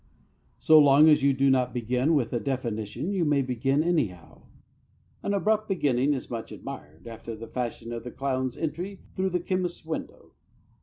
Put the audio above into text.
So long as you do not begin with a definition you may begin anyhow. An abrupt beginning is much admired, after the fashion of the clown's entry through the chemist's window.